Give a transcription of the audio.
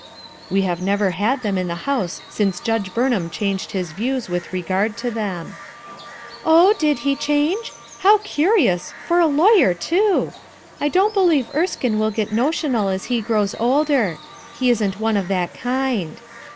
"We have never had them in the house since Judge Burnham changed his views with regard to them." "Oh, did he change? how curious, for a THE GENERAL MANAGER i81 lawyer, too ! I don't believe Erskine will ge t notional as he grows older. He isn't one of that kind."